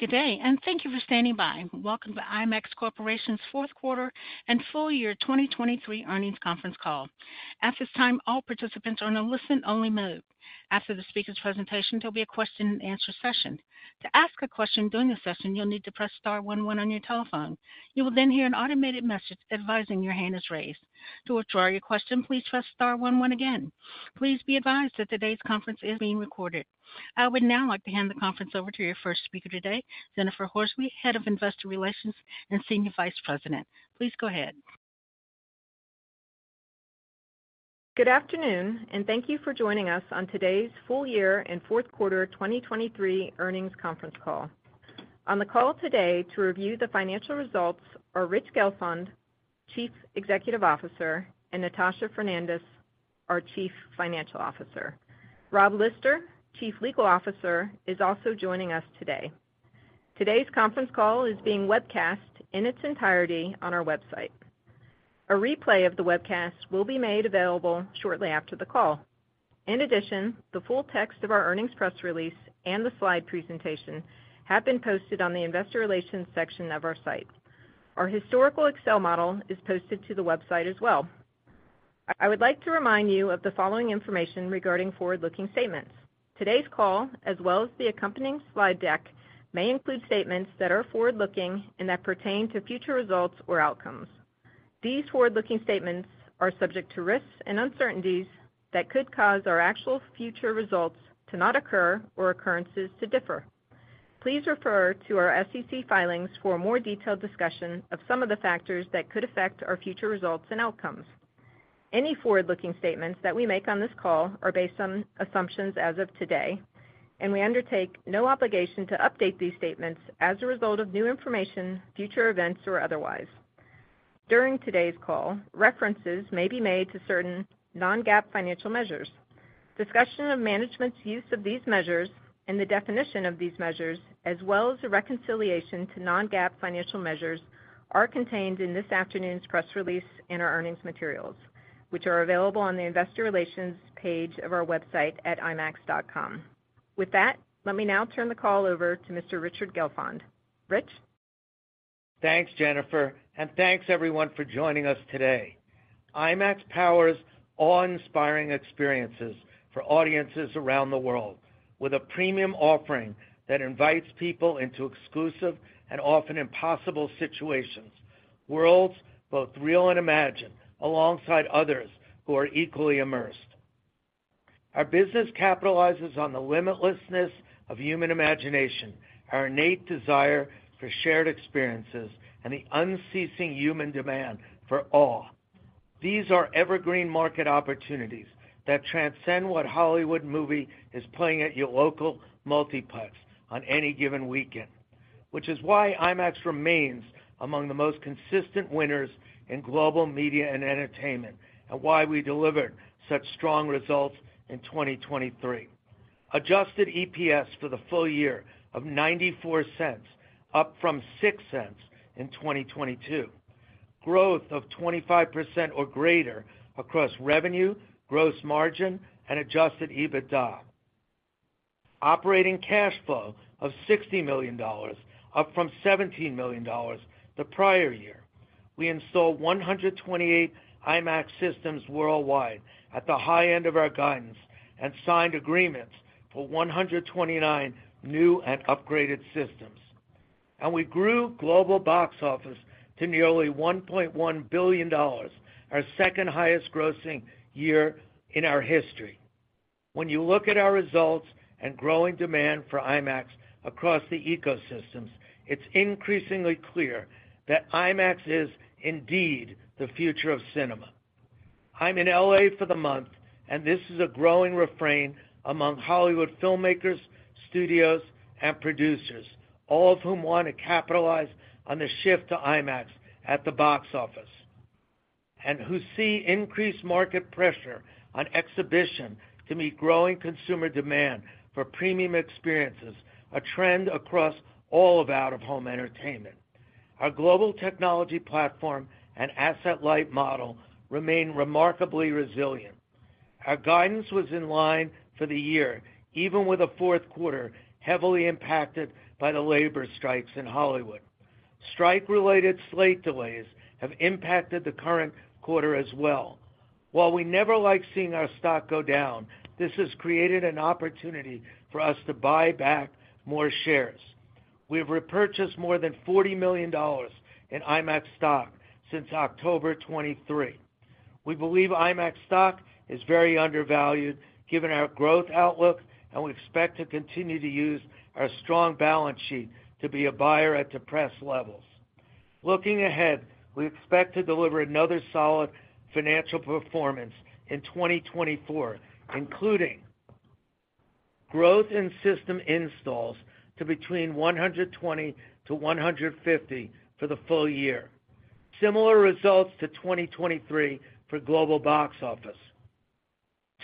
Good day, and thank you for standing by. Welcome to IMAX Corporation's fourth quarter and full year 2023 earnings conference call. At this time, all participants are in a listen-only mode. After the speaker's presentation, there'll be a question-and-answer session. To ask a question during the session, you'll need to press star one one on your telephone. You will then hear an automated message advising your hand is raised. To withdraw your question, please press star one one again. Please be advised that today's conference is being recorded. I would now like to hand the conference over to your first speaker today, Jennifer Horsley, Head of Investor Relations and Senior Vice President. Please go ahead. Good afternoon, and thank you for joining us on today's full year and fourth quarter 2023 earnings conference call. On the call today to review the financial results are Rich Gelfond, Chief Executive Officer, and Natasha Fernandes, our Chief Financial Officer. Rob Lister, Chief Legal Officer, is also joining us today. Today's conference call is being webcast in its entirety on our website. A replay of the webcast will be made available shortly after the call. In addition, the full text of our earnings press release and the slide presentation have been posted on the Investor Relations section of our site. Our historical Excel model is posted to the website as well. I would like to remind you of the following information regarding forward-looking statements. Today's call, as well as the accompanying slide deck, may include statements that are forward-looking and that pertain to future results or outcomes. These forward-looking statements are subject to risks and uncertainties that could cause our actual future results to not occur or occurrences to differ. Please refer to our SEC filings for a more detailed discussion of some of the factors that could affect our future results and outcomes. Any forward-looking statements that we make on this call are based on assumptions as of today, and we undertake no obligation to update these statements as a result of new information, future events, or otherwise. During today's call, references may be made to certain non-GAAP financial measures. Discussion of management's use of these measures and the definition of these measures, as well as a reconciliation to non-GAAP financial measures, are contained in this afternoon's press release and our earnings materials, which are available on the Investor Relations page of our website at IMAX.com. With that, let me now turn the call over to Mr. Richard Gelfond. Rich? Thanks, Jennifer, and thanks everyone for joining us today. IMAX powers awe-inspiring experiences for audiences around the world with a premium offering that invites people into exclusive and often impossible situations, worlds both real and imagined, alongside others who are equally immersed. Our business capitalizes on the limitlessness of human imagination, our innate desire for shared experiences, and the unceasing human demand for awe. These are evergreen market opportunities that transcend what Hollywood movie is playing at your local multiplex on any given weekend, which is why IMAX remains among the most consistent winners in global media and entertainment, and why we delivered such strong results in 2023. Adjusted EPS for the full year of $0.94, up from $0.06 in 2022. Growth of 25% or greater across revenue, gross margin, and adjusted EBITDA. Operating cash flow of $60 million, up from $17 million the prior year. We installed 128 IMAX systems worldwide at the high end of our guidance and signed agreements for 129 new and upgraded systems. We grew global box office to nearly $1.1 billion, our second-highest grossing year in our history. When you look at our results and growing demand for IMAX across the ecosystems, it's increasingly clear that IMAX is, indeed, the future of cinema. I'm in L.A. for the month, and this is a growing refrain among Hollywood filmmakers, studios, and producers, all of whom want to capitalize on the shift to IMAX at the box office, and who see increased market pressure on exhibition to meet growing consumer demand for premium experiences, a trend across all of out-of-home entertainment. Our global technology platform and asset-light model remain remarkably resilient. Our guidance was in line for the year, even with a fourth quarter heavily impacted by the labor strikes in Hollywood. Strike-related slate delays have impacted the current quarter as well. While we never like seeing our stock go down, this has created an opportunity for us to buy back more shares. We have repurchased more than $40 million in IMAX stock since October 2023. We believe IMAX stock is very undervalued given our growth outlook, and we expect to continue to use our strong balance sheet to be a buyer at depressed levels. Looking ahead, we expect to deliver another solid financial performance in 2024, including growth in system installs to between 120-150 for the full year. Similar results to 2023 for global box office.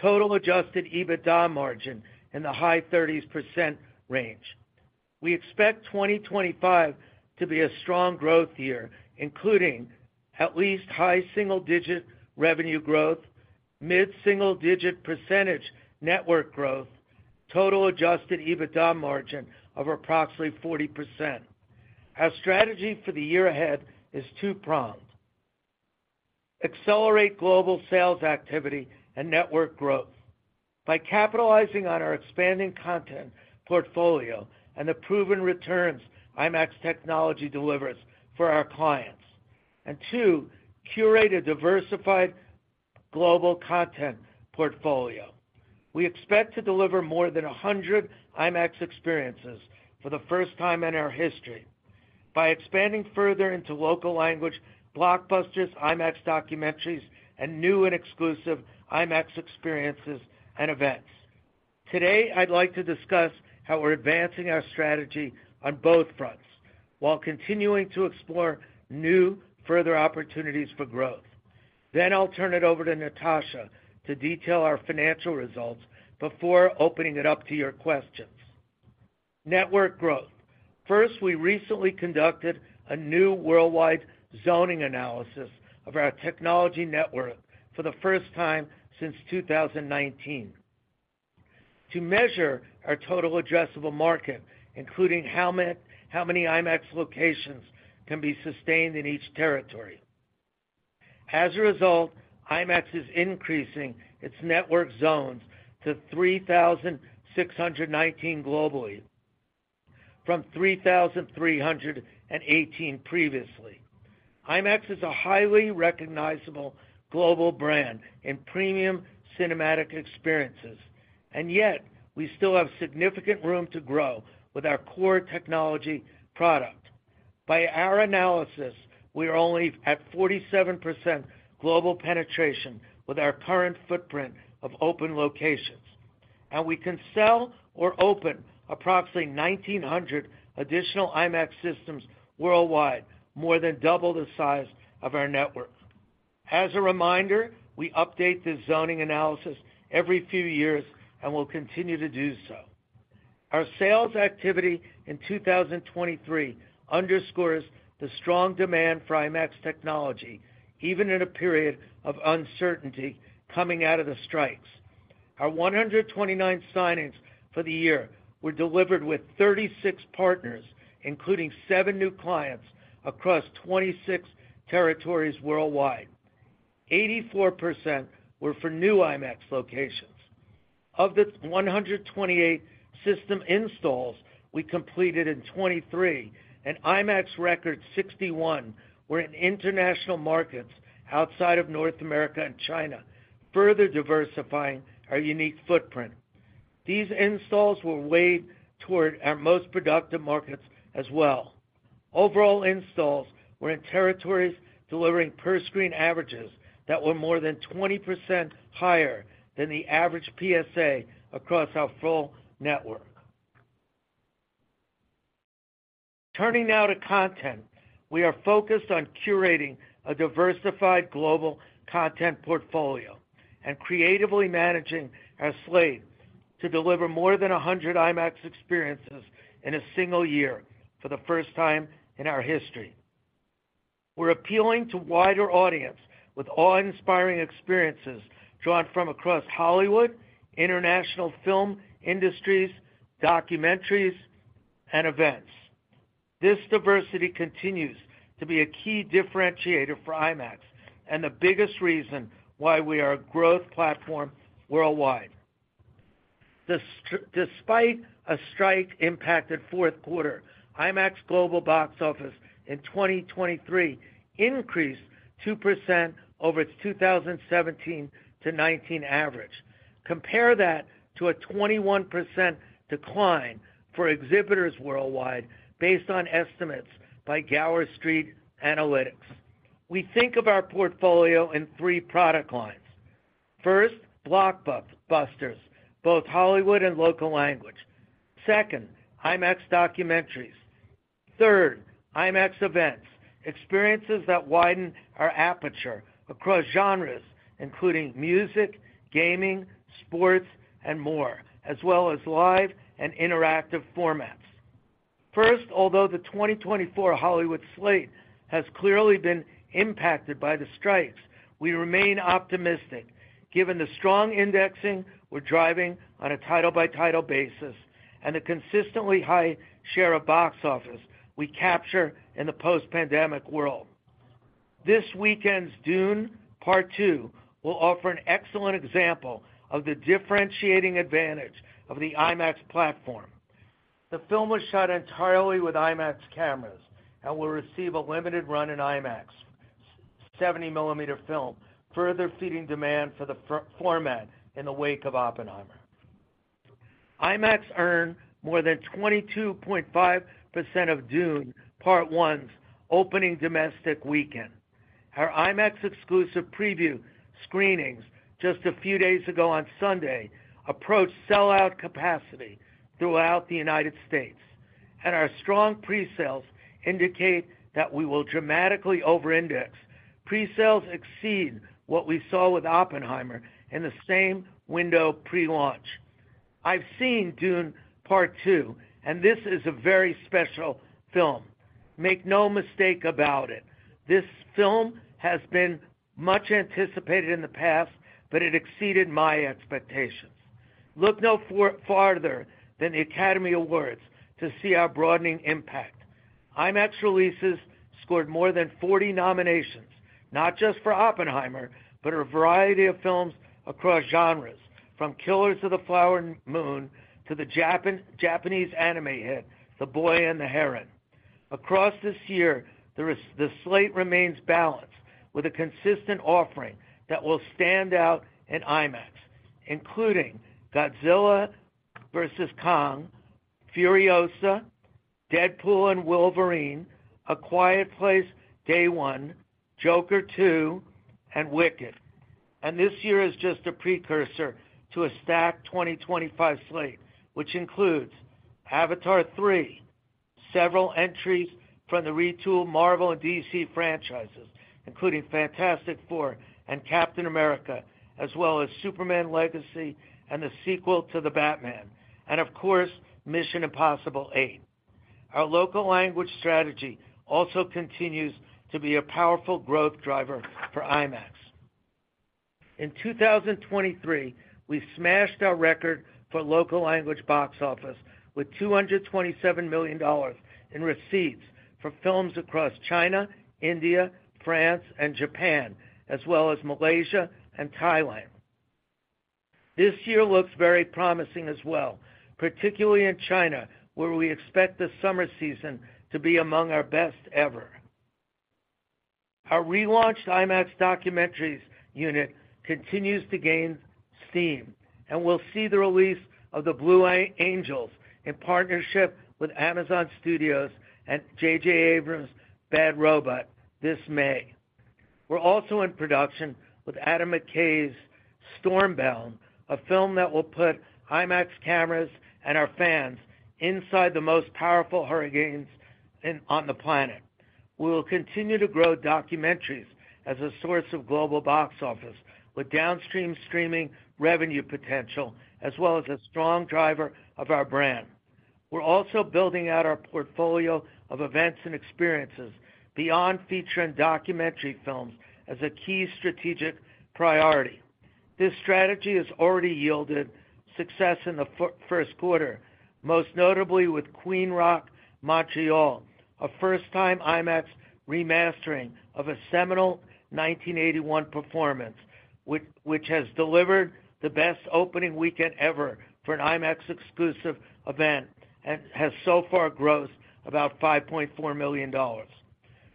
Total adjusted EBITDA margin in the high 30% range. We expect 2025 to be a strong growth year, including at least high single-digit revenue growth, mid-single-digit percentage network growth, total adjusted EBITDA margin of approximately 40%. Our strategy for the year ahead is two-pronged. Accelerate global sales activity and network growth by capitalizing on our expanding content portfolio and the proven returns IMAX technology delivers for our clients, and, two, curate a diversified global content portfolio. We expect to deliver more than 100 IMAX experiences for the first time in our history by expanding further into local-language blockbusters, IMAX documentaries, and new and exclusive IMAX experiences and events. Today, I'd like to discuss how we're advancing our strategy on both fronts while continuing to explore new further opportunities for growth. Then I'll turn it over to Natasha to detail our financial results before opening it up to your questions. Network growth. First, we recently conducted a new worldwide zoning analysis of our technology network for the first time since 2019 to measure our total addressable market, including how many IMAX locations can be sustained in each territory. As a result, IMAX is increasing its network zones to 3,619 globally, from 3,318 previously. IMAX is a highly recognizable global brand in premium cinematic experiences, and yet we still have significant room to grow with our core technology product. By our analysis, we are only at 47% global penetration with our current footprint of open locations, and we can sell or open approximately 1,900 additional IMAX systems worldwide, more than double the size of our network. As a reminder, we update this zoning analysis every few years and will continue to do so. Our sales activity in 2023 underscores the strong demand for IMAX technology, even in a period of uncertainty coming out of the strikes. Our 129 signings for the year were delivered with 36 partners, including seven new clients across 26 territories worldwide. 84% were for new IMAX locations. Of the 128 system installs we completed in 2023, an IMAX record 61 were in international markets outside of North America and China, further diversifying our unique footprint. These installs were weighed toward our most productive markets as well. Overall installs were in territories delivering per-screen averages that were more than 20% higher than the average PSA across our full network. Turning now to content, we are focused on curating a diversified global content portfolio and creatively managing our slate to deliver more than 100 IMAX experiences in a single year for the first time in our history. We're appealing to a wider audience with awe-inspiring experiences drawn from across Hollywood, international film industries, documentaries, and events. This diversity continues to be a key differentiator for IMAX and the biggest reason why we are a growth platform worldwide. Despite a strike-impacted fourth quarter, IMAX global box office in 2023 increased 2% over its 2017-2019 average. Compare that to a 21% decline for exhibitors worldwide based on estimates by Gower Street Analytics. We think of our portfolio in three product lines. First, blockbusters, both Hollywood and local language. Second, IMAX documentaries. Third, IMAX events, experiences that widen our aperture across genres, including music, gaming, sports, and more, as well as live and interactive formats. First, although the 2024 Hollywood slate has clearly been impacted by the strikes, we remain optimistic given the strong indexing we're driving on a title-by-title basis and the consistently high share of box office we capture in the post-pandemic world. This weekend's "Dune: Part Two" will offer an excellent example of the differentiating advantage of the IMAX platform. The film was shot entirely with IMAX cameras and will receive a limited run in IMAX 70 mm film, further feeding demand for the format in the wake of "Oppenheimer." IMAX earned more than 22.5% of "Dune: Part One's" opening domestic weekend. Our IMAX-exclusive preview screenings just a few days ago on Sunday approached sellout capacity throughout the United States, and our strong presales indicate that we will dramatically overindex. Presales exceed what we saw with "Oppenheimer" in the same window pre-launch. I've seen "Dune: Part Two," and this is a very special film. Make no mistake about it. This film has been much anticipated in the past, but it exceeded my expectations. Look no farther than the Academy Awards to see our broadening impact. IMAX releases scored more than 40 nominations, not just for "Oppenheimer," but for a variety of films across genres, from "Killers of the Flower Moon" to the Japanese anime hit, "The Boy and the Heron." Across this year, the slate remains balanced with a consistent offering that will stand out in IMAX, including "Godzilla vs. Kong," "Furiosa," "Deadpool & Wolverine," "A Quiet Place: Day One," "Joker 2," and "Wicked." And this year is just a precursor to a stacked 2025 slate, which includes "Avatar 3," several entries from the retooled Marvel and DC franchises, including "Fantastic Four" and "Captain America," as well as "Superman: Legacy" and the sequel to "The Batman," and, of course, "Mission: Impossible 8." Our local-language strategy also continues to be a powerful growth driver for IMAX. In 2023, we smashed our record for local-language box office with $227 million in receipts for films across China, India, France, and Japan, as well as Malaysia and Thailand. This year looks very promising as well, particularly in China, where we expect the summer season to be among our best ever. Our relaunched IMAX documentaries unit continues to gain steam, and we'll see the release of "The Blue Angels" in partnership with Amazon Studios and J.J. Abrams' "Bad Robot" this May. We're also in production with Adam McKay's "Stormbound," a film that will put IMAX cameras and our fans inside the most powerful hurricanes on the planet. We will continue to grow documentaries as a source of global box office, with downstream streaming revenue potential as well as a strong driver of our brand. We're also building out our portfolio of events and experiences beyond feature and documentary films as a key strategic priority. This strategy has already yielded success in the first quarter, most notably with "Queen Rock Montreal," a first-time IMAX remastering of a seminal 1981 performance which has delivered the best opening weekend ever for an IMAX-exclusive event and has so far grossed about $5.4 million.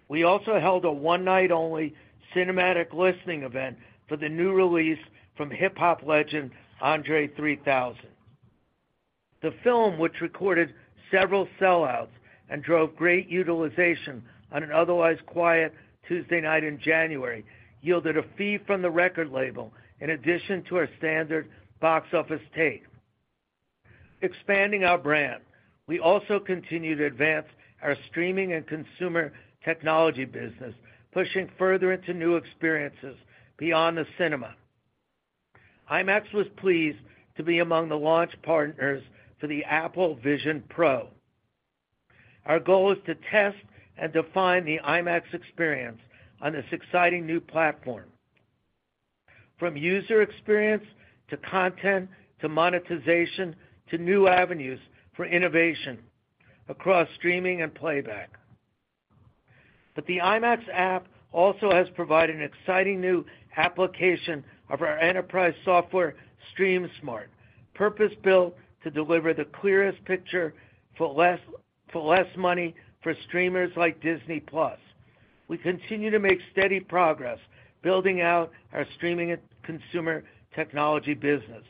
We also held a one-night-only cinematic listening event for the new release from hip-hop legend André 3000. The film, which recorded several sellouts and drove great utilization on an otherwise quiet Tuesday night in January, yielded a fee from the record label in addition to our standard box office take. Expanding our brand, we also continue to advance our streaming and consumer technology business, pushing further into new experiences beyond the cinema. IMAX was pleased to be among the launch partners for the Apple Vision Pro. Our goal is to test and define the IMAX experience on this exciting new platform, from user experience to content to monetization to new avenues for innovation across streaming and playback. But the IMAX app also has provided an exciting new application of our enterprise software, StreamSmart, purpose-built to deliver the clearest picture for less money for streamers like Disney+. We continue to make steady progress building out our streaming and consumer technology business.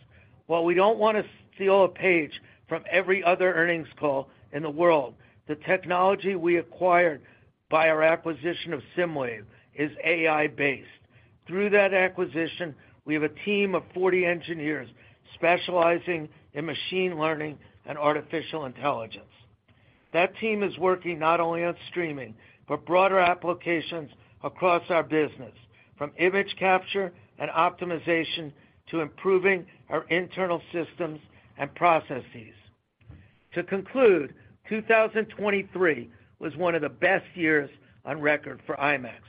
While we don't want to steal a page from every other earnings call in the world, the technology we acquired by our acquisition of SSIMWAVE is AI-based. Through that acquisition, we have a team of 40 engineers specializing in machine learning and artificial intelligence. That team is working not only on streaming but broader applications across our business, from image capture and optimization to improving our internal systems and processes. To conclude, 2023 was one of the best years on record for IMAX.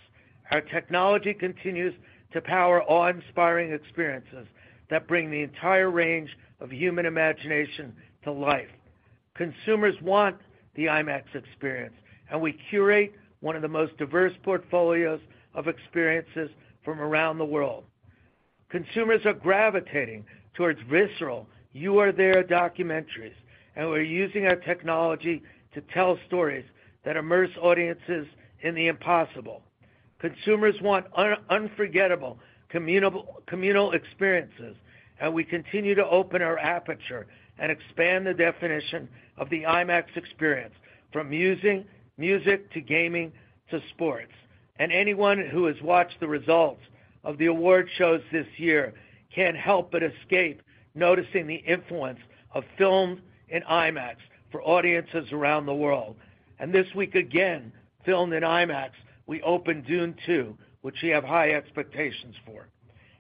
Our technology continues to power awe-inspiring experiences that bring the entire range of human imagination to life. Consumers want the IMAX experience, and we curate one of the most diverse portfolios of experiences from around the world. Consumers are gravitating towards visceral "You Are There" documentaries, and we're using our technology to tell stories that immerse audiences in the impossible. Consumers want unforgettable communal experiences, and we continue to open our aperture and expand the definition of the IMAX experience, from music to gaming to sports. Anyone who has watched the results of the award shows this year can't help but notice the influence of film in IMAX for audiences around the world. This week again, filmed in IMAX, we opened "Dune 2," which we have high expectations for.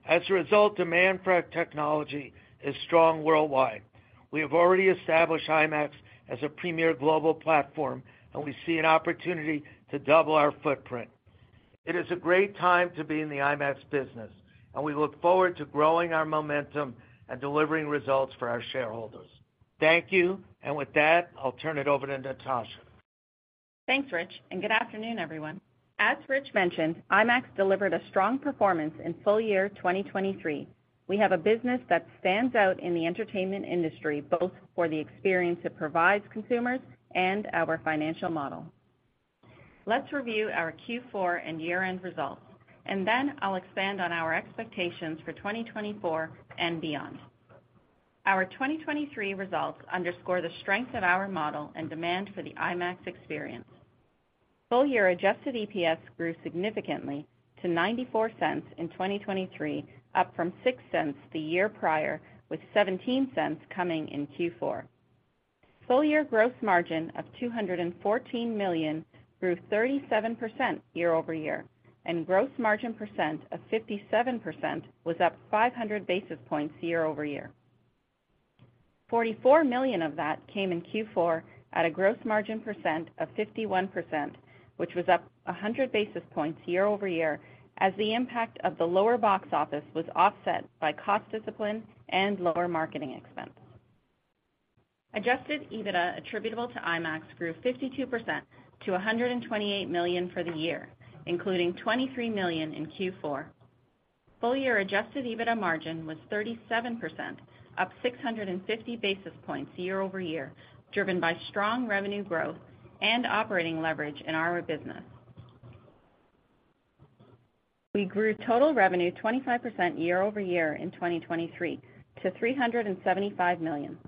As a result, demand for our technology is strong worldwide. We have already established IMAX as a premier global platform, and we see an opportunity to double our footprint. It is a great time to be in the IMAX business, and we look forward to growing our momentum and delivering results for our shareholders. Thank you, and with that, I'll turn it over to Natasha. Thanks, Rich, and good afternoon, everyone. As Rich mentioned, IMAX delivered a strong performance in full year 2023. We have a business that stands out in the entertainment industry both for the experience it provides consumers and our financial model. Let's review our Q4 and year-end results, and then I'll expand on our expectations for 2024 and beyond. Our 2023 results underscore the strength of our model and demand for the IMAX experience. Full-year adjusted EPS grew significantly to $0.94 in 2023, up from $0.06 the year prior, with $0.17 coming in Q4. Full-year gross margin of $214 million grew 37% year-over-year, and gross margin percent of 57% was up 500 basis points year-over-year. $44 million of that came in Q4 at a gross margin percent of 51%, which was up 100 basis points year-over-year as the impact of the lower box office was offset by cost discipline and lower marketing expense. Adjusted EBITDA attributable to IMAX grew 52% to $128 million for the year, including $23 million in Q4. Full-year adjusted EBITDA margin was 37%, up 650 basis points year-over-year, driven by strong revenue growth and operating leverage in our business. We grew total revenue 25% year-over-year in 2023 to $375 million,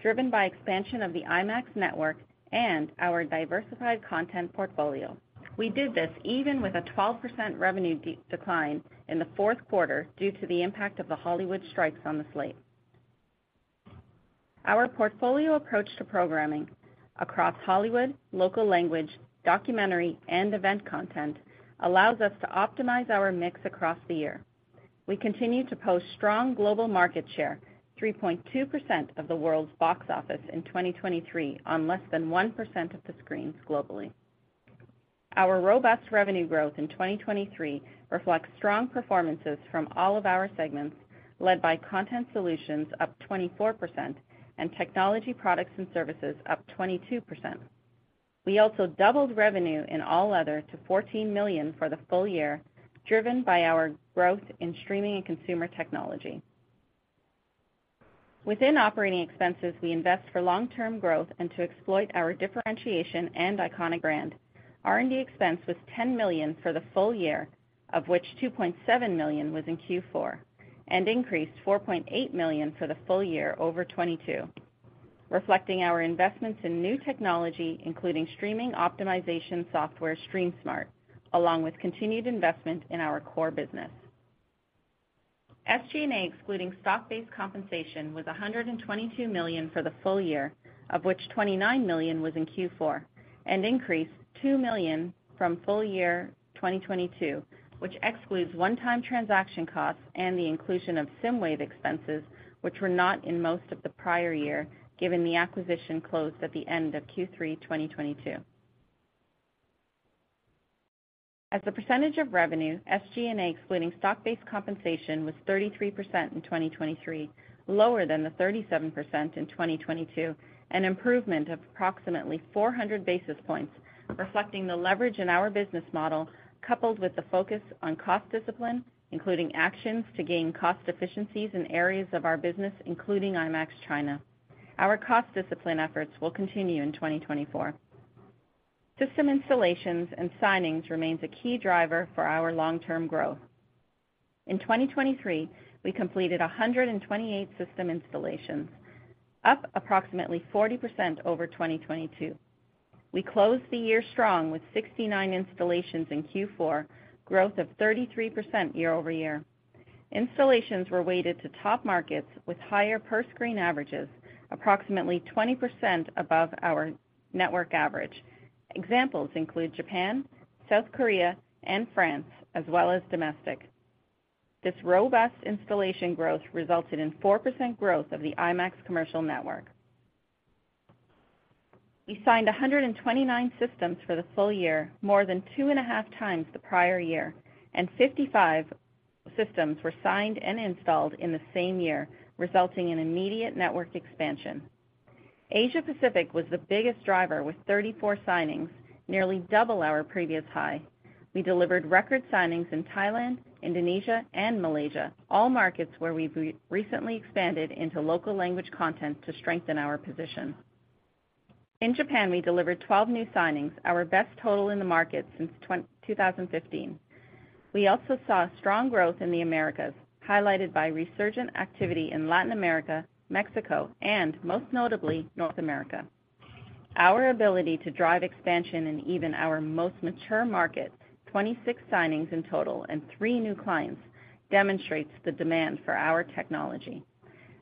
driven by expansion of the IMAX network and our diversified content portfolio. We did this even with a 12% revenue decline in the fourth quarter due to the impact of the Hollywood strikes on the slate. Our portfolio approach to programming across Hollywood, local language, documentary, and event content allows us to optimize our mix across the year. We continue to post strong global market share, 3.2% of the world's box office in 2023, on less than 1% of the screens globally. Our robust revenue growth in 2023 reflects strong performances from all of our segments, led by content solutions up 24% and technology products and services up 22%. We also doubled revenue in all other to $14 million for the full year, driven by our growth in streaming and consumer technology. Within operating expenses, we invest for long-term growth and to exploit our differentiation and iconic brand. R&D expense was $10 million for the full year, of which $2.7 million was in Q4, and increased $4.8 million for the full year over 2022, reflecting our investments in new technology, including streaming optimization software StreamSmart, along with continued investment in our core business. SG&A excluding stock-based compensation was $122 million for the full year, of which $29 million was in Q4, and increased $2 million from full year 2022, which excludes one-time transaction costs and the inclusion of SSIMWAVE expenses, which were not in most of the prior year given the acquisition closed at the end of Q3 2022. As the percentage of revenue, SG&A excluding stock-based compensation was 33% in 2023, lower than the 37% in 2022, an improvement of approximately 400 basis points, reflecting the leverage in our business model coupled with the focus on cost discipline, including actions to gain cost efficiencies in areas of our business, including IMAX China. Our cost discipline efforts will continue in 2024. System installations and signings remain a key driver for our long-term growth. In 2023, we completed 128 system installations, up approximately 40% over 2022. We closed the year strong with 69 installations in Q4, growth of 33% year-over-year. Installations were weighted to top markets with higher per-screen averages, approximately 20% above our network average. Examples include Japan, South Korea, and France, as well as domestic. This robust installation growth resulted in 4% growth of the IMAX commercial network. We signed 129 systems for the full year, more than 2.5x the prior year, and 55 systems were signed and installed in the same year, resulting in immediate network expansion. Asia-Pacific was the biggest driver, with 34 signings, nearly double our previous high. We delivered record signings in Thailand, Indonesia, and Malaysia, all markets where we recently expanded into local-language content to strengthen our position. In Japan, we delivered 12 new signings, our best total in the market since 2015. We also saw strong growth in the Americas, highlighted by resurgent activity in Latin America, Mexico, and, most notably, North America. Our ability to drive expansion in even our most mature market, 26 signings in total and three new clients, demonstrates the demand for our technology.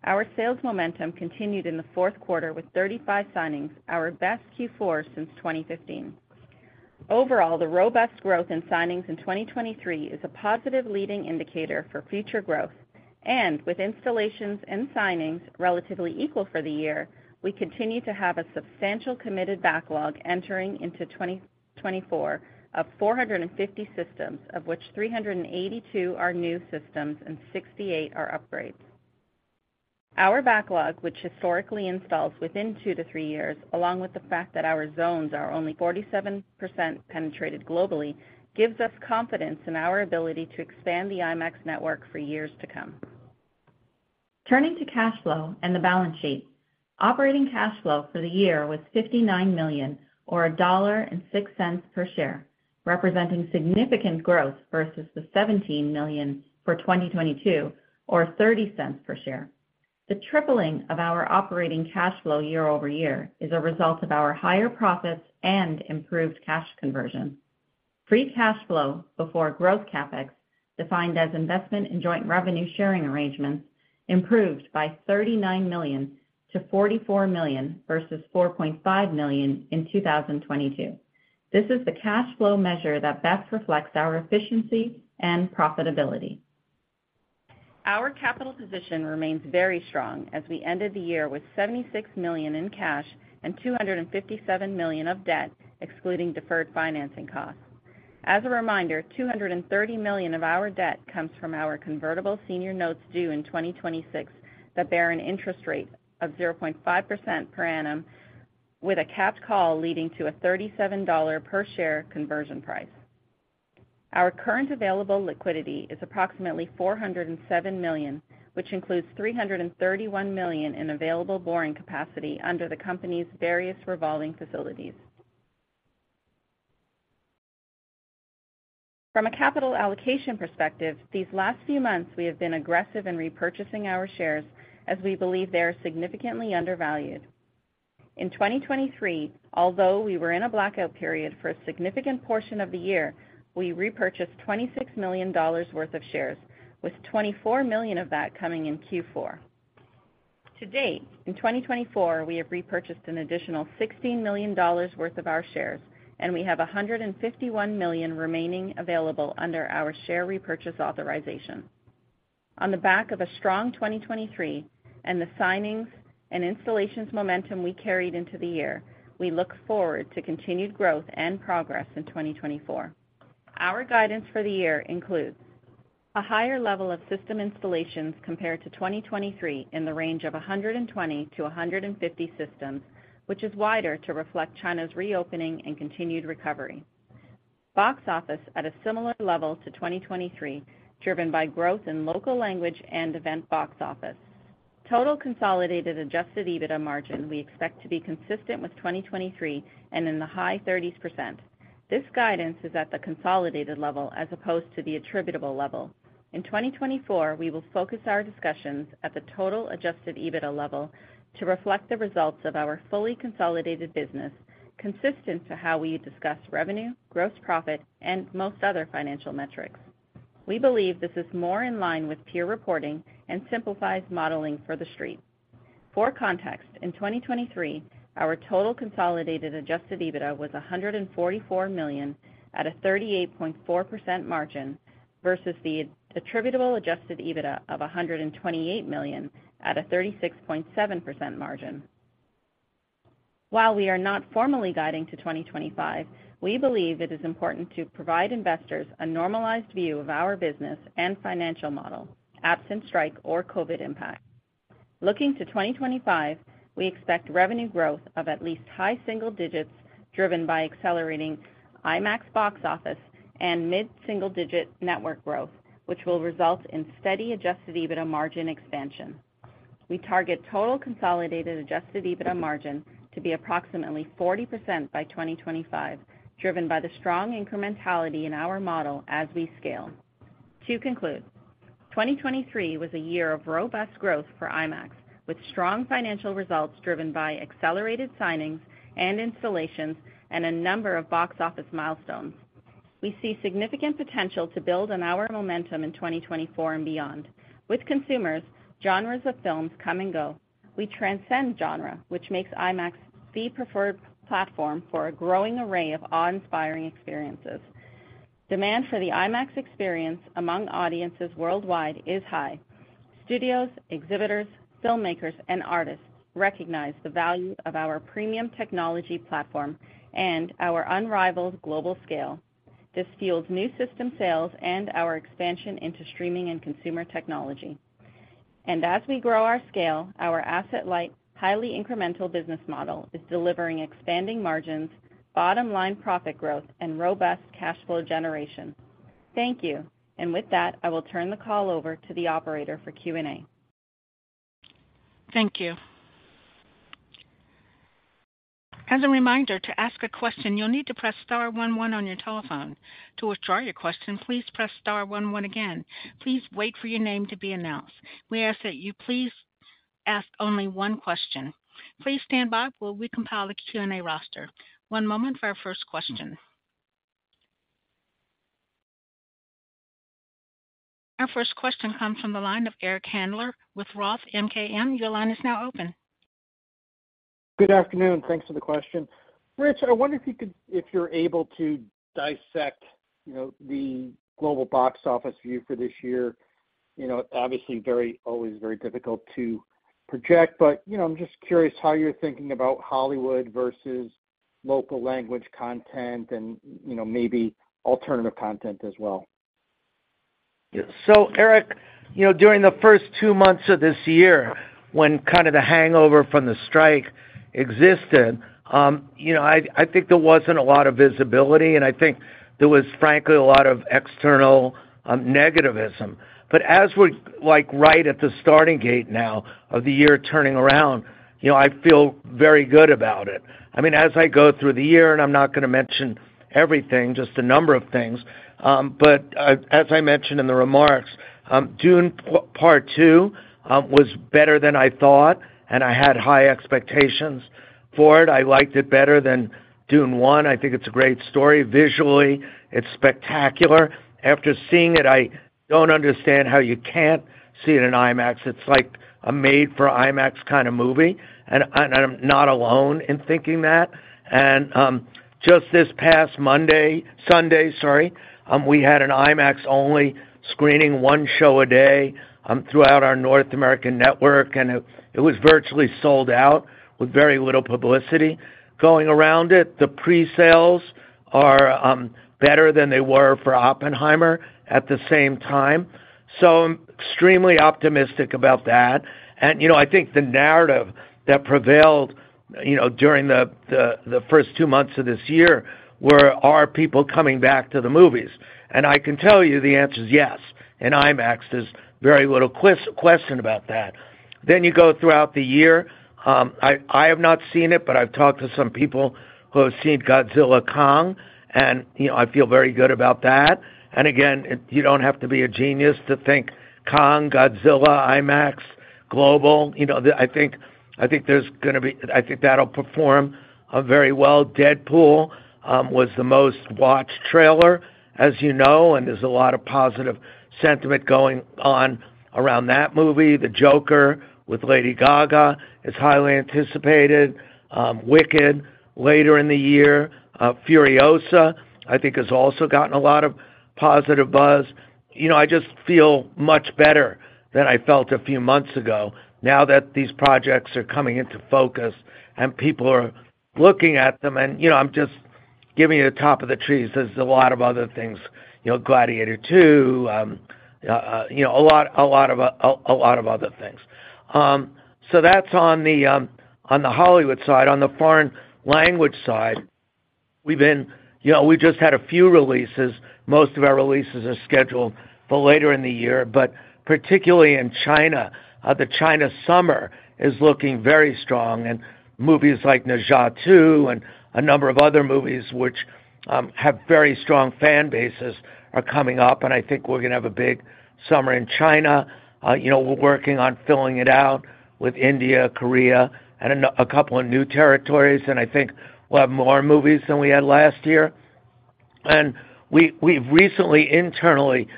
Our sales momentum continued in the fourth quarter with 35 signings, our best Q4 since 2015. Overall, the robust growth in signings in 2023 is a positive leading indicator for future growth. With installations and signings relatively equal for the year, we continue to have a substantial committed backlog entering into 2024 of 450 systems, of which 382 are new systems and 68 are upgrades. Our backlog, which historically installs within two to three years, along with the fact that our zones are only 47% penetrated globally, gives us confidence in our ability to expand the IMAX network for years to come. Turning to cash flow and the balance sheet, operating cash flow for the year was $59 million, or $1.06 per share, representing significant growth versus the $17 million for 2022, or $0.30 per share. The tripling of our operating cash flow year-over-year is a result of our higher profits and improved cash conversion. Free cash flow, before growth CapEx, defined as investment in joint revenue sharing arrangements, improved by $39 million to $44 million versus $4.5 million in 2022. This is the cash flow measure that best reflects our efficiency and profitability. Our capital position remains very strong as we ended the year with $76 million in cash and $257 million of debt, excluding deferred financing costs. As a reminder, $230 million of our debt comes from our convertible senior notes due in 2026 that bear an interest rate of 0.5% per annum, with a capped call leading to a $37 per share conversion price. Our current available liquidity is approximately $407 million, which includes $331 million in available borrowing capacity under the company's various revolving facilities. From a capital allocation perspective, these last few months we have been aggressive in repurchasing our shares as we believe they are significantly undervalued. In 2023, although we were in a blackout period for a significant portion of the year, we repurchased $26 million worth of shares, with $24 million of that coming in Q4. To date, in 2024, we have repurchased an additional $16 million worth of our shares, and we have $151 million remaining available under our share repurchase authorization. On the back of a strong 2023 and the signings and installations momentum we carried into the year, we look forward to continued growth and progress in 2024. Our guidance for the year includes a higher level of system installations compared to 2023 in the range of 120-150 systems, which is wider to reflect China's reopening and continued recovery. Box office at a similar level to 2023, driven by growth in local language and event box office. Total consolidated adjusted EBITDA margin we expect to be consistent with 2023 and in the high 30%. This guidance is at the consolidated level as opposed to the attributable level. In 2024, we will focus our discussions at the total adjusted EBITDA level to reflect the results of our fully consolidated business, consistent to how we discuss revenue, gross profit, and most other financial metrics. We believe this is more in line with peer reporting and simplifies modeling for the street. For context, in 2023, our total consolidated adjusted EBITDA was $144 million at a 38.4% margin versus the attributable adjusted EBITDA of $128 million at a 36.7% margin. While we are not formally guiding to 2025, we believe it is important to provide investors a normalized view of our business and financial model, absent strike or COVID impact. Looking to 2025, we expect revenue growth of at least high single digits driven by accelerating IMAX box office and mid-single digit network growth, which will result in steady adjusted EBITDA margin expansion. We target total consolidated adjusted EBITDA margin to be approximately 40% by 2025, driven by the strong incrementality in our model as we scale. To conclude, 2023 was a year of robust growth for IMAX, with strong financial results driven by accelerated signings and installations and a number of box office milestones. We see significant potential to build on our momentum in 2024 and beyond. With consumers, genres of films come and go. We transcend genre, which makes IMAX the preferred platform for a growing array of awe-inspiring experiences. Demand for the IMAX experience among audiences worldwide is high. Studios, exhibitors, filmmakers, and artists recognize the value of our premium technology platform and our unrivaled global scale. This fuels new system sales and our expansion into streaming and consumer technology. As we grow our scale, our asset-light, highly incremental business model is delivering expanding margins, bottom-line profit growth, and robust cash flow generation. Thank you. With that, I will turn the call over to the operator for Q&A. Thank you. As a reminder, to ask a question, you'll need to press star one one on your telephone. To withdraw your question, please press star one one again. Please wait for your name to be announced. We ask that you please ask only one question. Please stand by while we compile the Q&A roster. One moment for our first question. Our first question comes from the line of Eric Handler with Roth MKM. Your line is now open. Good afternoon. Thanks for the question. Rich, I wonder if you're able to dissect the global box office view for this year. Obviously, always very difficult to project, but I'm just curious how you're thinking about Hollywood versus local-language content and maybe alternative content as well. Yeah. So, Eric, during the first two months of this year, when kind of the hangover from the strike existed, I think there wasn't a lot of visibility, and I think there was, frankly, a lot of external negativism. But as we're right at the starting gate now of the year turning around, I feel very good about it. I mean, as I go through the year and I'm not going to mention everything, just a number of things. But as I mentioned in the remarks, Dune: Part Two was better than I thought, and I had high expectations for it. I liked it better than Dune 1. I think it's a great story. Visually, it's spectacular. After seeing it, I don't understand how you can't see it in IMAX. It's like a made-for-IMAX kind of movie, and I'm not alone in thinking that. And just this past Monday, Sunday, sorry, we had an IMAX-only screening one show a day throughout our North American network, and it was virtually sold out with very little publicity. Going around it, the presales are better than they were for Oppenheimer at the same time. So I'm extremely optimistic about that. And I think the narrative that prevailed during the first two months of this year were, "Are people coming back to the movies?" And I can tell you the answer is yes. In IMAX, there's very little question about that. Then you go throughout the year. I have not seen it, but I've talked to some people who have seen Godzilla vs. Kong, and I feel very good about that. And again, you don't have to be a genius to think Kong, Godzilla, IMAX, global. I think there's going to be, I think that'll perform very well. Deadpool was the most-watched trailer, as you know, and there's a lot of positive sentiment going on around that movie. The Joker with Lady Gaga is highly anticipated. Wicked later in the year. Furiosa, I think, has also gotten a lot of positive buzz. I just feel much better than I felt a few months ago now that these projects are coming into focus and people are looking at them. And I'm just giving you the top of the trees. There's a lot of other things, Gladiator II, a lot of other things. So that's on the Hollywood side. On the foreign language side, we just had a few releases. Most of our releases are scheduled for later in the year. But particularly in China, the China summer is looking very strong, and movies like Ne Zha 2 and a number of other movies which have very strong fan bases are coming up. And I think we're going to have a big summer in China. We're working on filling it out with India, Korea, and a couple of new territories, and I think we'll have more movies than we had last year. And we've recently internally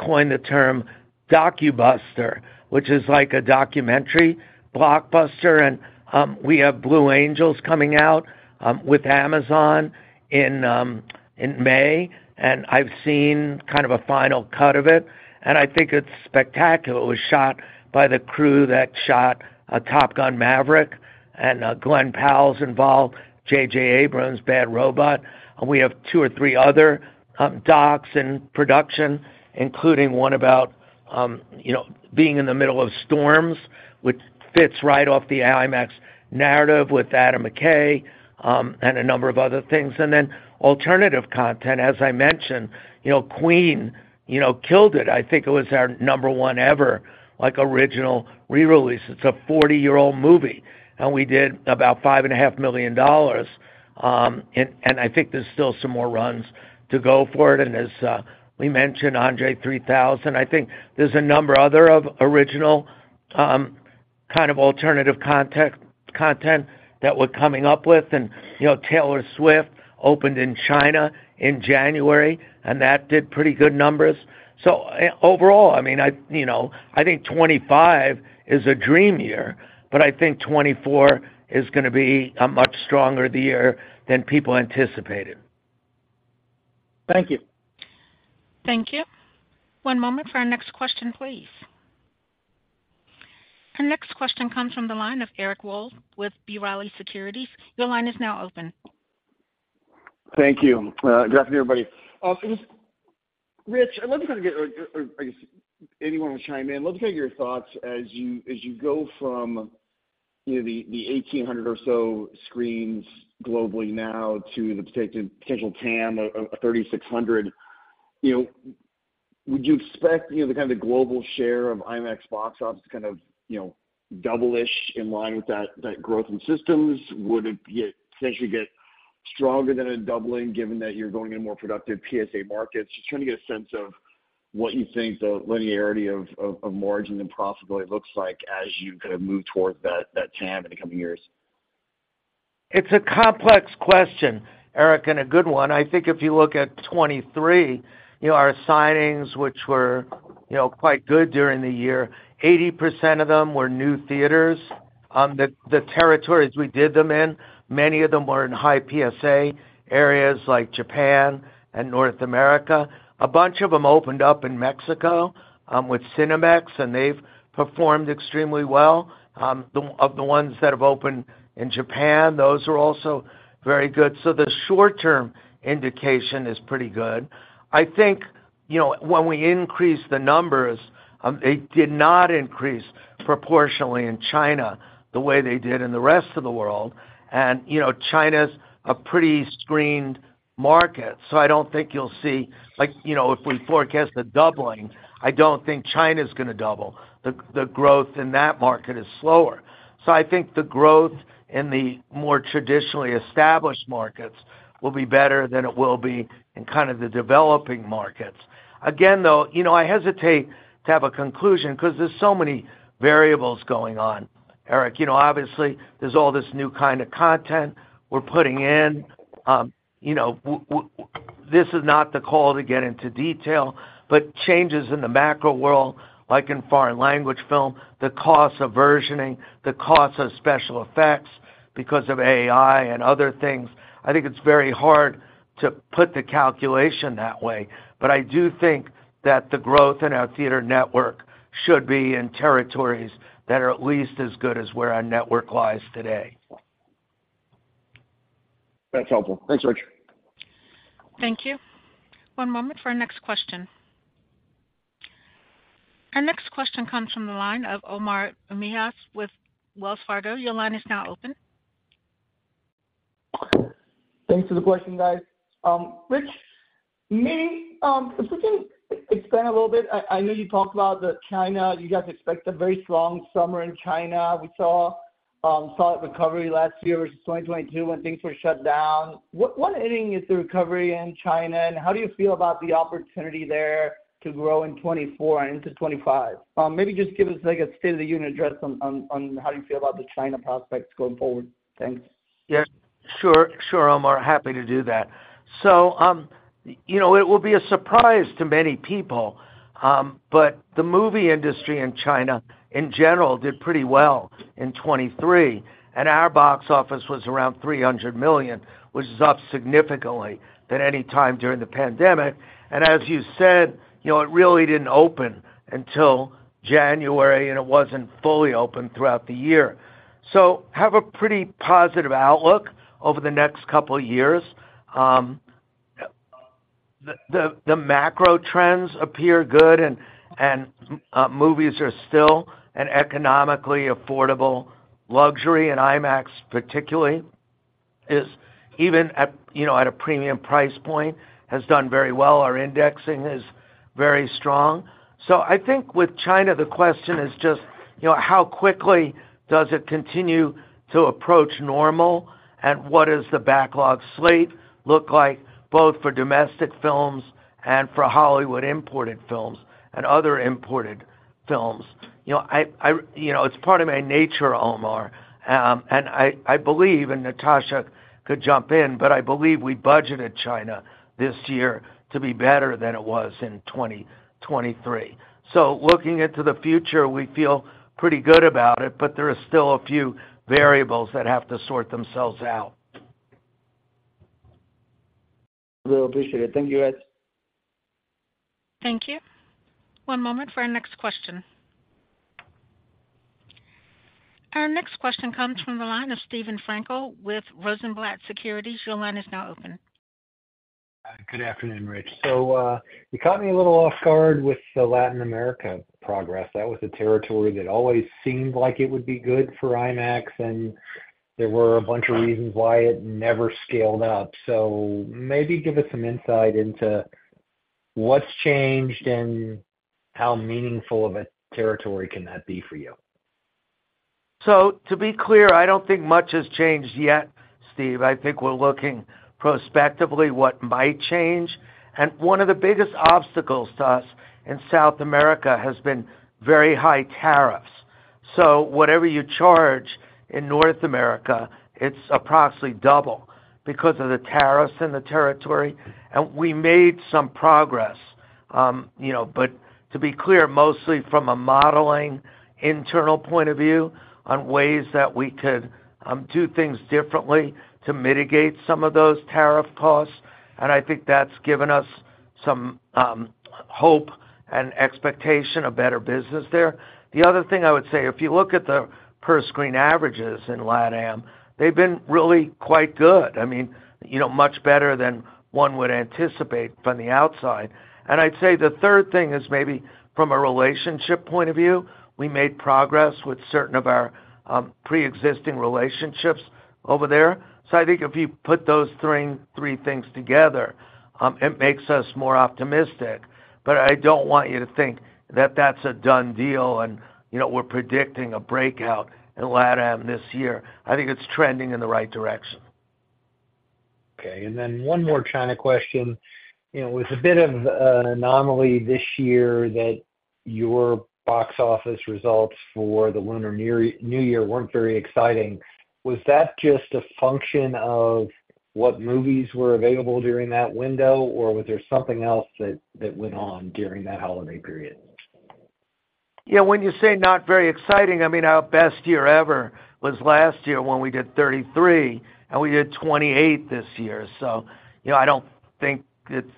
coined the term docubuster, which is like a documentary blockbuster. And we have Blue Angels coming out with Amazon in May, and I've seen kind of a final cut of it. And I think it's spectacular. It was shot by the crew that shot Top Gun: Maverick, and Glenn Powell's involved, J.J. Abrams, Bad Robot. We have two or three other docs in production, including one about being in the middle of storms, which fits right off the IMAX narrative with Adam McKay and a number of other things. And then alternative content, as I mentioned, Queen killed it. I think it was our number one ever original rerelease. It's a 40-year-old movie, and we did about $5.5 million. And I think there's still some more runs to go for it. And as we mentioned, André 3000. I think there's a number other of original kind of alternative content that we're coming up with. And Taylor Swift opened in China in January, and that did pretty good numbers. So overall, I mean, I think 2025 is a dream year, but I think 2024 is going to be a much stronger year than people anticipated. Thank you. Thank you. One moment for our next question, please. Our next question comes from the line of Eric Wold with B. Riley Securities. Your line is now open. Thank you. Good afternoon, everybody. Rich, I'd love to kind of get or I guess anyone wants to chime in. I'd love to kind of get your thoughts as you go from the 1,800 or so screens globally now to the potential TAM of 3,600. Would you expect the kind of global share of IMAX box office to kind of double-ish in line with that growth in systems? Would it potentially get stronger than a doubling given that you're going into more productive PSA markets? Just trying to get a sense of what you think the linearity of margin and profitability looks like as you kind of move towards that TAM in the coming years. It's a complex question, Eric, and a good one. I think if you look at 2023, our signings, which were quite good during the year, 80% of them were new theaters. The territories we did them in, many of them were in high PSA areas like Japan and North America. A bunch of them opened up in Mexico with Cinemex, and they've performed extremely well. Of the ones that have opened in Japan, those are also very good. So the short-term indication is pretty good. I think when we increase the numbers, they did not increase proportionally in China the way they did in the rest of the world. And China's a pretty screened market, so I don't think you'll see if we forecast a doubling, I don't think China's going to double. The growth in that market is slower. So I think the growth in the more traditionally established markets will be better than it will be in kind of the developing markets. Again, though, I hesitate to have a conclusion because there's so many variables going on, Eric. Obviously, there's all this new kind of content we're putting in. This is not the call to get into detail, but changes in the macro world, like in foreign language film, the cost of versioning, the cost of special effects because of AI and other things, I think it's very hard to put the calculation that way. But I do think that the growth in our theater network should be in territories that are at least as good as where our network lies today. That's helpful. Thanks, Rich. Thank you. One moment for our next question. Our next question comes from the line of Omar Mejias with Wells Fargo. Your line is now open. Thanks for the question, guys. Rich, if we can expand a little bit. I know you talked about the China. You guys expect a very strong summer in China. We saw a recovery last year versus 2022 when things were shut down. What ending is the recovery in China, and how do you feel about the opportunity there to grow in 2024 and into 2025? Maybe just give us a state-of-the-union address on how do you feel about the China prospects going forward. Thanks. Yeah. Sure, Omar. Happy to do that. So it will be a surprise to many people, but the movie industry in China, in general, did pretty well in 2023, and our box office was around $300 million, which is up significantly than any time during the pandemic. And as you said, it really didn't open until January, and it wasn't fully open throughout the year. So have a pretty positive outlook over the next couple of years. The macro trends appear good, and movies are still an economically affordable luxury, and IMAX particularly is even at a premium price point, has done very well. Our indexing is very strong. So I think with China, the question is just how quickly does it continue to approach normal, and what does the backlog slate look like both for domestic films and for Hollywood imported films and other imported films? It's part of my nature, Omar. And I believe and Natasha could jump in, but I believe we budgeted China this year to be better than it was in 2023. So looking into the future, we feel pretty good about it, but there are still a few variables that have to sort themselves out. Really appreciate it. Thank you, guys. Thank you. One moment for our next question. Our next question comes from the line of Steven Frankel with Rosenblatt Securities. Your line is now open. Good afternoon, Rich. So you caught me a little off guard with the Latin America progress. That was a territory that always seemed like it would be good for IMAX, and there were a bunch of reasons why it never scaled up. So maybe give us some insight into what's changed and how meaningful of a territory can that be for you? So to be clear, I don't think much has changed yet, Steve. I think we're looking prospectively what might change. And one of the biggest obstacles to us in South America has been very high tariffs. So whatever you charge in North America, it's approximately double because of the tariffs in the territory. And we made some progress, but to be clear, mostly from a modeling internal point of view on ways that we could do things differently to mitigate some of those tariff costs. And I think that's given us some hope and expectation of better business there. The other thing I would say, if you look at the per-screen averages in LatAm, they've been really quite good. I mean, much better than one would anticipate from the outside. I'd say the third thing is maybe from a relationship point of view, we made progress with certain of our pre-existing relationships over there. I think if you put those three things together, it makes us more optimistic. I don't want you to think that that's a done deal and we're predicting a breakout in LatAm this year. I think it's trending in the right direction. Okay. And then one more China question. It was a bit of an anomaly this year that your box office results for the Lunar New Year weren't very exciting. Was that just a function of what movies were available during that window, or was there something else that went on during that holiday period? When you say not very exciting, I mean, our best year ever was last year when we did 33, and we did 28 this year. So I don't think it's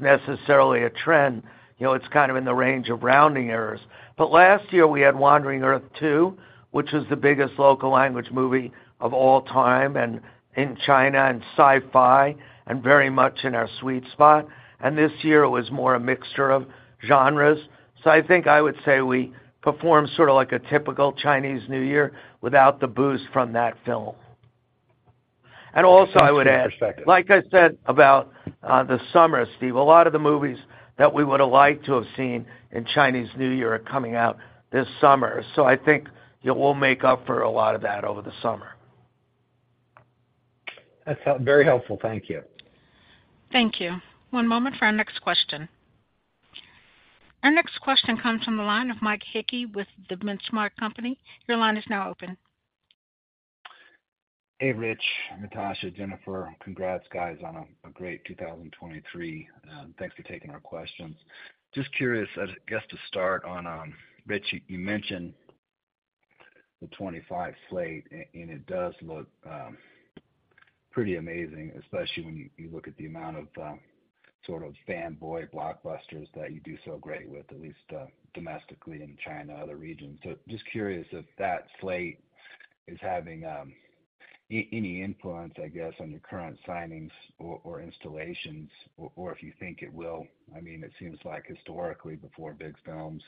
necessarily a trend. It's kind of in the range of rounding errors. But last year, we had Wandering Earth 2, which was the biggest local language movie of all time in China and sci-fi and very much in our sweet spot. And this year, it was more a mixture of genres. So I think I would say we performed sort of like a typical Chinese New Year without the boost from that film. And also, I would add. That's a different perspective. Like I said about the summer, Steve, a lot of the movies that we would have liked to have seen in Chinese New Year are coming out this summer. So I think we'll make up for a lot of that over the summer. That's very helpful. Thank you. Thank you. One moment for our next question. Our next question comes from the line of Mike Hickey with The Benchmark Company. Your line is now open. Hey, Rich, Natasha, Jennifer. Congrats, guys, on a great 2023. Thanks for taking our questions. Just curious, I guess, to start on Rich, you mentioned the 2025 slate, and it does look pretty amazing, especially when you look at the amount of sort of fanboy blockbusters that you do so great with, at least domestically in China and other regions. So just curious if that slate is having any influence, I guess, on your current signings or installations, or if you think it will. I mean, it seems like historically, before big films,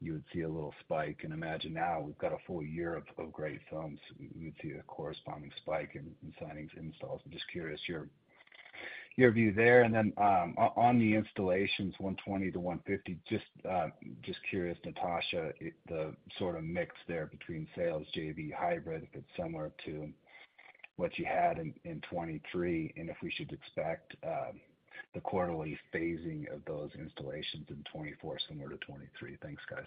you would see a little spike. And imagine now we've got a full year of great films. We would see a corresponding spike in signings and installs. I'm just curious your view there. Then on the installations, 120-150, just curious, Natasha, the sort of mix there between sales, JV, hybrid, if it's similar to what you had in 2023, and if we should expect the quarterly phasing of those installations in 2024 similar to 2023? Thanks, guys.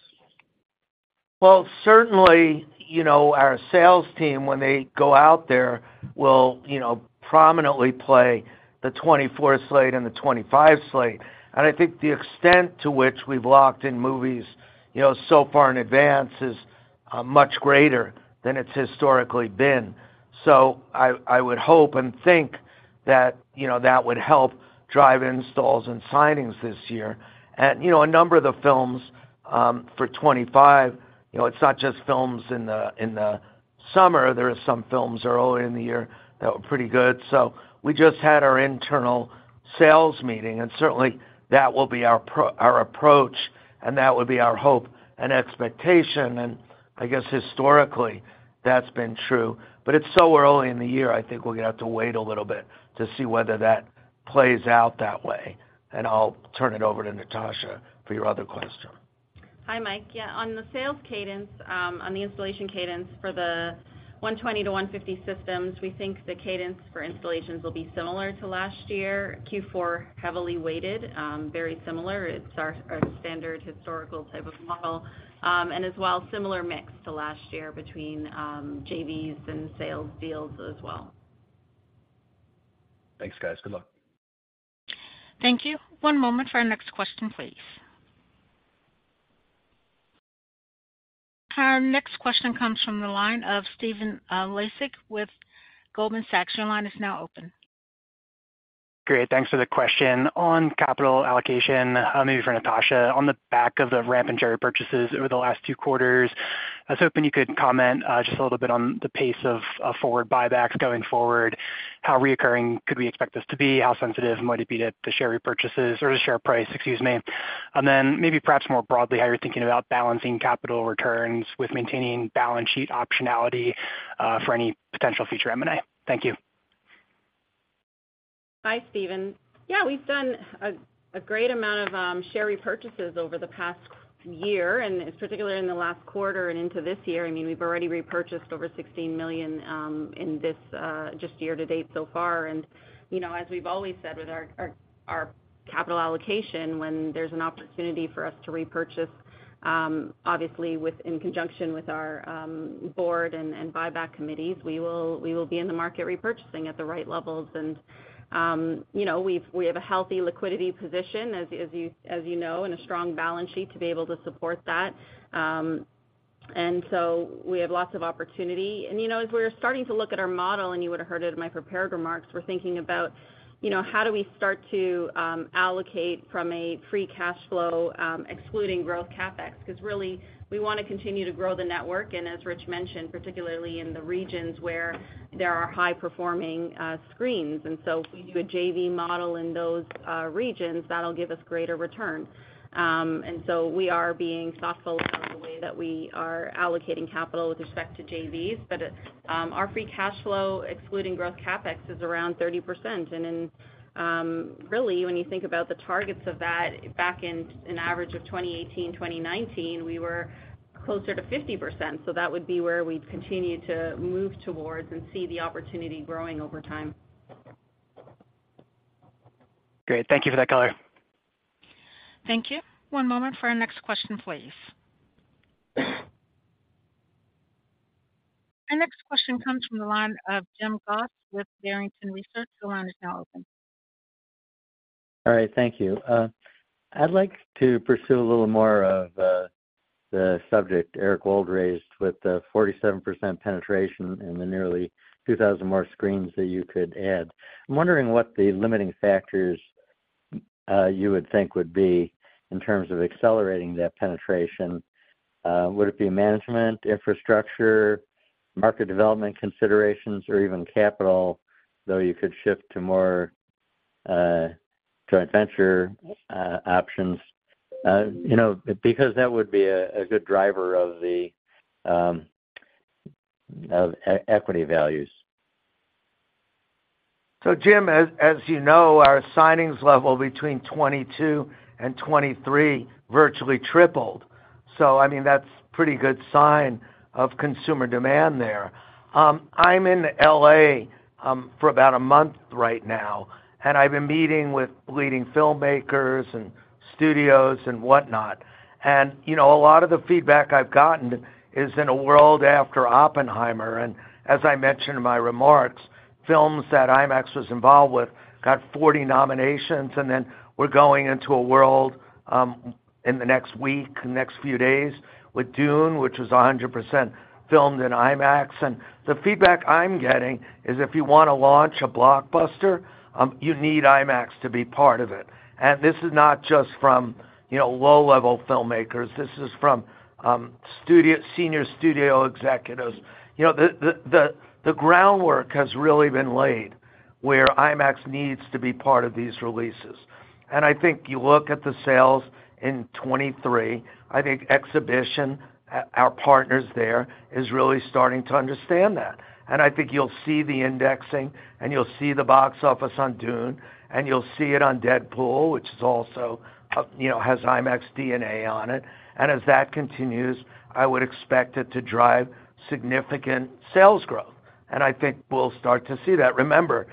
Well, certainly, our sales team, when they go out there, will prominently play the 2024 slate and the 2025 slate. And I think the extent to which we've locked in movies so far in advance is much greater than it's historically been. So I would hope and think that that would help drive installs and signings this year. And a number of the films for 2025, it's not just films in the summer. There are some films that are early in the year that were pretty good. So we just had our internal sales meeting, and certainly, that will be our approach, and that would be our hope and expectation. And I guess historically, that's been true. But it's so we're early in the year, I think we'll get out to wait a little bit to see whether that plays out that way. I'll turn it over to Natasha for your other question. Hi, Mike. Yeah, on the sales cadence, on the installation cadence for the 120-150 systems, we think the cadence for installations will be similar to last year. Q4 heavily weighted, very similar. It's our standard historical type of model, and as well, similar mix to last year between JVs and sales deals as well. Thanks, guys. Good luck. Thank you. One moment for our next question, please. Our next question comes from the line of Stephen Laszczyk with Goldman Sachs. Your line is now open. Great. Thanks for the question. On capital allocation, maybe for Natasha, on the back of the rampant share repurchases over the last two quarters, I was hoping you could comment just a little bit on the pace of forward buybacks going forward, how recurring could we expect this to be, how sensitive might it be to the share repurchases or the share price, excuse me, and then maybe perhaps more broadly how you're thinking about balancing capital returns with maintaining balance sheet optionality for any potential future M&A. Thank you. Hi, Stephen. Yeah, we've done a great amount of share repurchases over the past year, and particularly in the last quarter and into this year. I mean, we've already repurchased over 16 million in this just year to date so far. And as we've always said with our capital allocation, when there's an opportunity for us to repurchase, obviously, in conjunction with our board and buyback committees, we will be in the market repurchasing at the right levels. And we have a healthy liquidity position, as you know, and a strong balance sheet to be able to support that. And so we have lots of opportunity. As we're starting to look at our model, and you would have heard it in my prepared remarks, we're thinking about how do we start to allocate from a free cash flow excluding growth CapEx because really, we want to continue to grow the network. As Rich mentioned, particularly in the regions where there are high-performing screens. So if we do a JV model in those regions, that'll give us greater return. So we are being thoughtful about the way that we are allocating capital with respect to JVs. But our free cash flow excluding growth CapEx is around 30%. Really, when you think about the targets of that, back in an average of 2018, 2019, we were closer to 50%. So that would be where we'd continue to move towards and see the opportunity growing over time. Great. Thank you for that color. Thank you. One moment for our next question, please. Our next question comes from the line of Jim Goss with Barrington Research. Your line is now open. All right. Thank you. I'd like to pursue a little more of the subject Eric Wold raised with the 47% penetration and the nearly 2,000 more screens that you could add. I'm wondering what the limiting factors you would think would be in terms of accelerating that penetration. Would it be management, infrastructure, market development considerations, or even capital, though you could shift to more joint venture options, because that would be a good driver of equity values? So Jim, as you know, our signings level between 2022 and 2023 virtually tripled. So I mean, that's a pretty good sign of consumer demand there. I'm in L.A. for about a month right now, and I've been meeting with leading filmmakers and studios and whatnot. And a lot of the feedback I've gotten is in a world after Oppenheimer. And as I mentioned in my remarks, films that IMAX was involved with got 40 nominations, and then we're going into a world in the next week, next few days with Dune, which was 100% filmed in IMAX. And the feedback I'm getting is if you want to launch a blockbuster, you need IMAX to be part of it. And this is not just from low-level filmmakers. This is from senior studio executives. The groundwork has really been laid where IMAX needs to be part of these releases. I think you look at the sales in 2023. I think exhibition, our partners there, is really starting to understand that. I think you'll see the indexing, and you'll see the box office on Dune, and you'll see it on Deadpool, which also has IMAX DNA on it. As that continues, I would expect it to drive significant sales growth. I think we'll start to see that. Remember,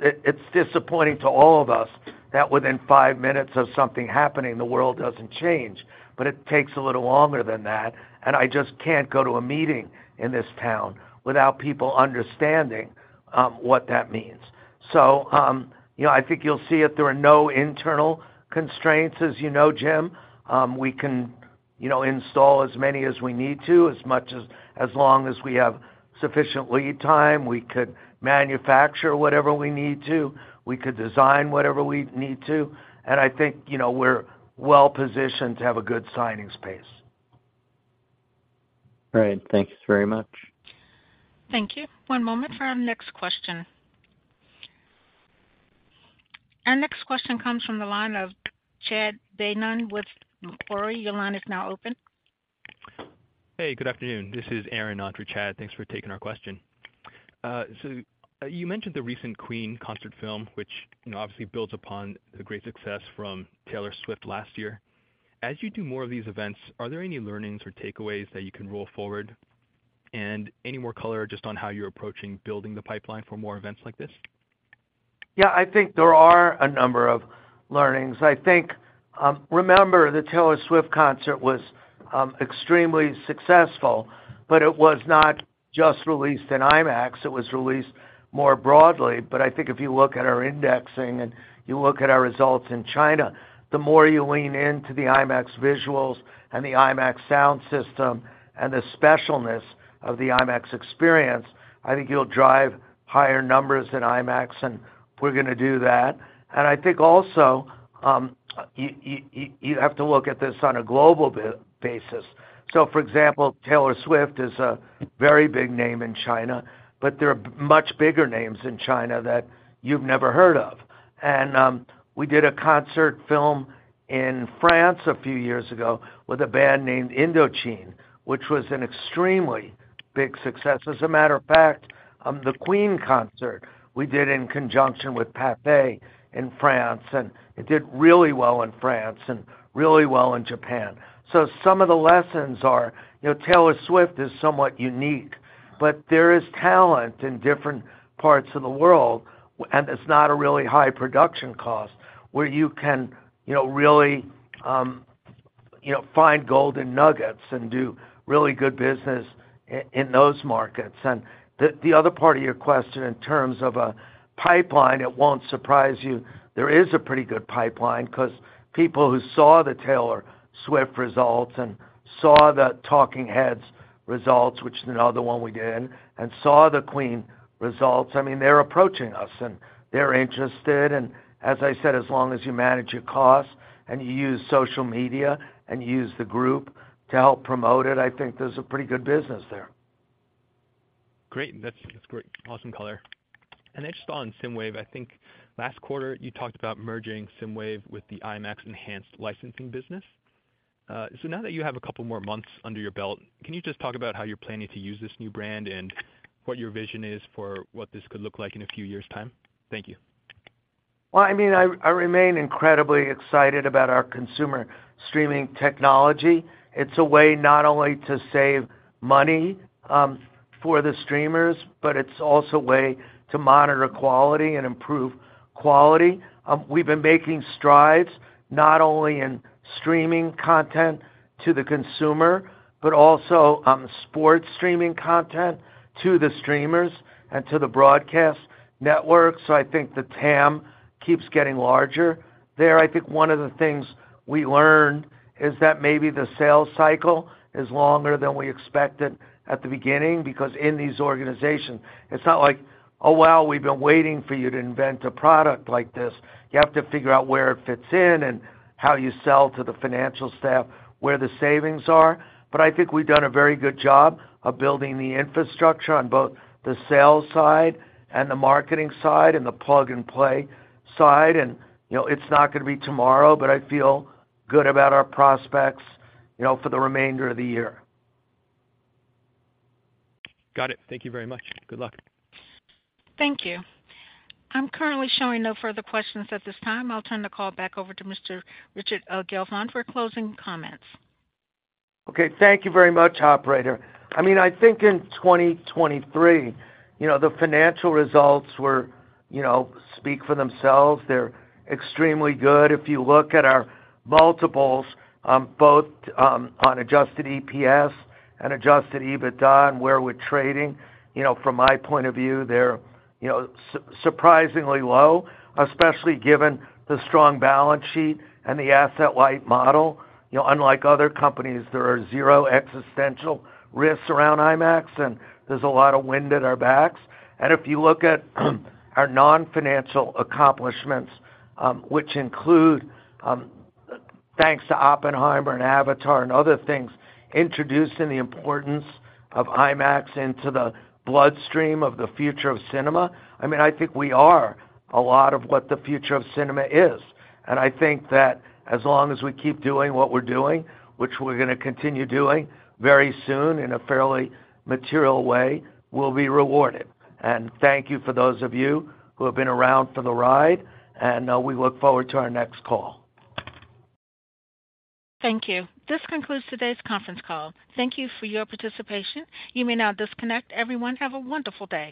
it's disappointing to all of us that within five minutes of something happening, the world doesn't change. But it takes a little longer than that. I just can't go to a meeting in this town without people understanding what that means. So I think you'll see it. There are no internal constraints, as you know, Jim. We can install as many as we need to as long as we have sufficient lead time. We could manufacture whatever we need to. We could design whatever we need to. I think we're well-positioned to have a good signing space. All right. Thanks very much. Thank you. One moment for our next question. Our next question comes from the line of Chad Beynon with Macquarie. Your line is now open. Hey, good afternoon. This is Aaron on for Chad. Thanks for taking our question. You mentioned the recent Queen concert film, which obviously builds upon the great success from Taylor Swift last year. As you do more of these events, are there any learnings or takeaways that you can roll forward and any more color just on how you're approaching building the pipeline for more events like this? Yeah, I think there are a number of learnings. Remember, the Taylor Swift concert was extremely successful, but it was not just released in IMAX. It was released more broadly. But I think if you look at our indexing and you look at our results in China, the more you lean into the IMAX visuals and the IMAX sound system and the specialness of the IMAX experience, I think you'll drive higher numbers in IMAX, and we're going to do that. And I think also, you have to look at this on a global basis. So for example, Taylor Swift is a very big name in China, but there are much bigger names in China that you've never heard of. And we did a concert film in France a few years ago with a band named Indochine, which was an extremely big success. As a matter of fact, the Queen concert, we did in conjunction with Pathé in France, and it did really well in France and really well in Japan. So some of the lessons are Taylor Swift is somewhat unique, but there is talent in different parts of the world, and it's not a really high production cost where you can really find golden nuggets and do really good business in those markets. And the other part of your question, in terms of a pipeline, it won't surprise you. There is a pretty good pipeline because people who saw the Taylor Swift results and saw the Talking Heads results, which is another one we did, and saw the Queen results, I mean, they're approaching us, and they're interested. As I said, as long as you manage your costs and you use social media and you use the group to help promote it, I think there's a pretty good business there. Great. That's great. Awesome color. And then just on SSIMWAVE, I think last quarter, you talked about merging SSIMWAVE with the IMAX Enhanced licensing business. So now that you have a couple more months under your belt, can you just talk about how you're planning to use this new brand and what your vision is for what this could look like in a few years' time? Thank you. Well, I mean, I remain incredibly excited about our consumer streaming technology. It's a way not only to save money for the streamers, but it's also a way to monitor quality and improve quality. We've been making strides not only in streaming content to the consumer but also sports streaming content to the streamers and to the broadcast network. So I think the TAM keeps getting larger there. I think one of the things we learned is that maybe the sales cycle is longer than we expected at the beginning because in these organizations, it's not like, "Oh, wow, we've been waiting for you to invent a product like this." You have to figure out where it fits in and how you sell to the financial staff where the savings are. I think we've done a very good job of building the infrastructure on both the sales side and the marketing side and the plug-and-play side. It's not going to be tomorrow, but I feel good about our prospects for the remainder of the year. Got it. Thank you very much. Good luck. Thank you. I'm currently showing no further questions at this time. I'll turn the call back over to Mr. Richard Gelfond for closing comments. Okay. Thank you very much, operator. I mean, I think in 2023, the financial results speak for themselves. They're extremely good. If you look at our multiples, both on adjusted EPS and adjusted EBITDA and where we're trading, from my point of view, they're surprisingly low, especially given the strong balance sheet and the asset light model. Unlike other companies, there are zero existential risks around IMAX, and there's a lot of wind at our backs. And if you look at our non-financial accomplishments, which include thanks to Oppenheimer and Avatar and other things introducing the importance of IMAX into the bloodstream of the future of cinema, I mean, I think we are a lot of what the future of cinema is. I think that as long as we keep doing what we're doing, which we're going to continue doing very soon in a fairly material way, we'll be rewarded. Thank you for those of you who have been around for the ride, and we look forward to our next call. Thank you. This concludes today's conference call. Thank you for your participation. You may now disconnect. Everyone, have a wonderful day.